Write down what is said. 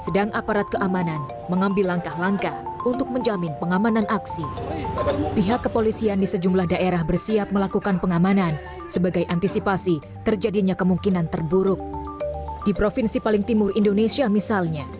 di provinsi paling timur indonesia misalnya